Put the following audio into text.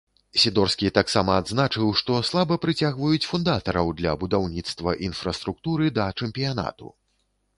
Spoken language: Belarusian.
Сідорскі таксама адзначыў, што слаба прыцягваюць фундатараў для будаўніцтва інфраструктуры да чэмпіянату.